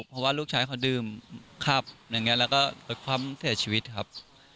เพราะว่าลูกชายเขาดื่มครับแล้วก็เป็นความเสียชีวิตครับ